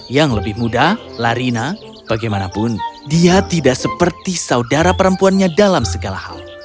yang lebih muda larina bagaimanapun dia tidak seperti saudara perempuannya dalam segala hal